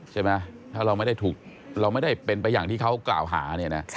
ถ้าเราไม่ได้ถูกเราไม่ได้เป็นไปอย่างที่เขากล่าวหา